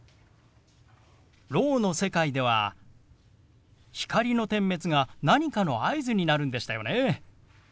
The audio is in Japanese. ろうの世界では光の点滅が何かの合図になるんでしたよね。